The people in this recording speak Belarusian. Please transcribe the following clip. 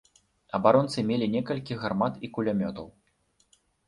Абаронцы мелі некалькі гармат і кулямётаў.